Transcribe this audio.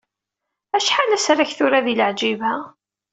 Acḥal asrag tura di Leɛǧiba?